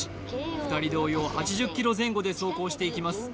２人同様８０キロ前後で走行していきます